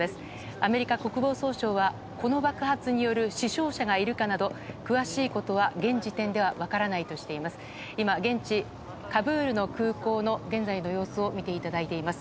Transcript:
アメリカ国防総省はこの爆発による死傷者がいるかなど詳しいことは現時点では分からないとしています。